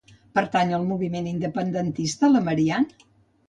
Pertany al moviment independentista la Marian?